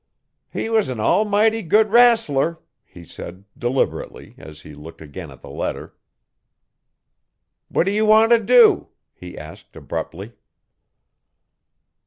'He was an almighty good rassler,' he said, deliberately, as he looked again at the letter.' 'What do you want to do?' he asked abruptly.'